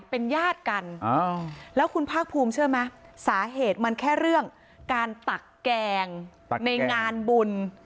เป็นญาติกันแล้วคุณภาคภูมิเชื่อไหมสาเหตุมันแค่เรื่องการตักแกงในงานบุญ